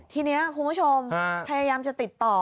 ทีนี้คุณผู้ชมพยายามจะติดต่อ